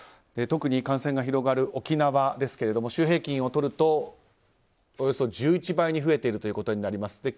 特に感染が広がる沖縄ですが週平均をとると、およそ１１倍に増えているということになります。